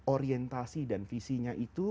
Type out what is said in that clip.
orientasi dan visinya itu